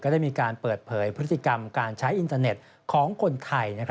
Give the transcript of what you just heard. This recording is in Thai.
ได้มีการเปิดเผยพฤติกรรมการใช้อินเทอร์เน็ตของคนไทย